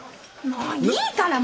もういいから！